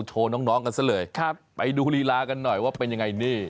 โชว์น้องกันซะเลยครับไปดูลีลากันหน่อยว่าเป็นยังไงนี่